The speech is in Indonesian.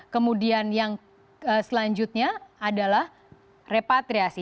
kemudian yang selanjutnya adalah repatriasi